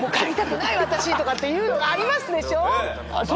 っていうのがありますでしょ。